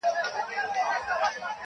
یو تر بله ښه پاخه انډيوالان وه.